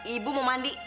ibu mau mandi